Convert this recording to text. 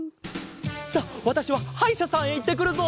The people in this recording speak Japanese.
さあわたしははいしゃさんへいってくるぞ！